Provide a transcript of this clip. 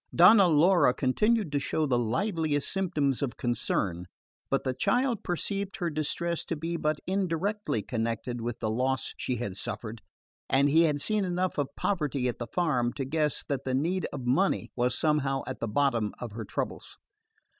Donna Laura continued to show the liveliest symptoms of concern, but the child perceived her distress to be but indirectly connected with the loss she had suffered, and he had seen enough of poverty at the farm to guess that the need of money was somehow at the bottom of her troubles.